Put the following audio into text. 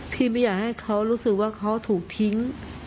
ไม่อยากให้เขารู้สึกว่าเขาถูกทิ้ง